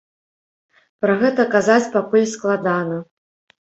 Пра гэта казаць пакуль складана.